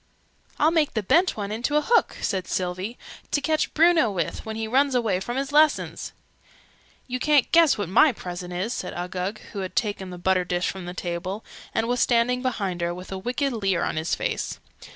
"I'll make the bent one into a hook!" said Sylvie. "To catch Bruno with, when he runs away from his lessons!" "You ca'n't guess what my present is!" said Uggug, who had taken the butter dish from the table, and was standing behind her, with a wicked leer on his face.